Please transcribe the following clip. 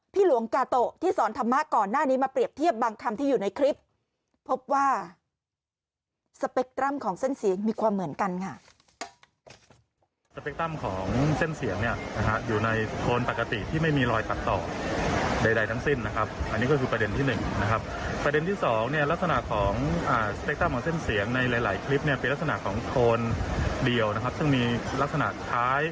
พี่หลวงกาโตที่สอนธรรมะก่อนหน้านี้มาเปรียบเทียบบางคำที่อยู่ในคลิปพบว่าสเปคตรัมของเส้นเสียงมีความเหมือนกันสเปคตรัมของเส้นเสียงอยู่ในโคนปกติที่ไม่มีรอยปัดต่อใดทั้งสิ้นอันนี้ก็คือประเด็นที่หนึ่งประเด็นที่สองลักษณะของสเปคตรัมของเส้นเสียงในหลายคลิปเป็นลัก